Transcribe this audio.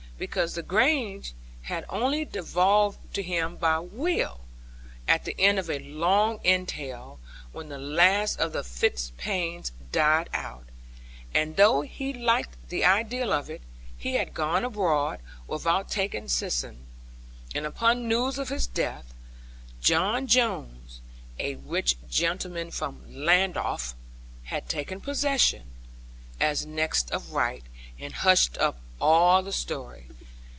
Because the Grange had only devolved to him by will, at the end of a long entail, when the last of the Fitz Pains died out; and though he liked the idea of it, he had gone abroad, without taking seisin. And upon news of his death, John Jones, a rich gentleman from Llandaff, had taken possession, as next of right, and hushed up all the story.